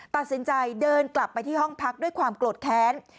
ตัดสินใจเดินกลับไปที่ห้องพักด้วยความโกรธแค้น